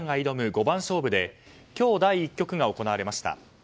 五番勝負で今日、第１局が行われました。